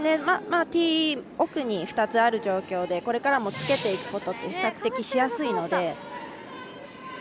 ティー奥に２つある状況でこれからもつけていくことは比較的、しやすいので。